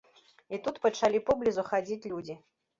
І тут пачалі поблізу хадзіць людзі.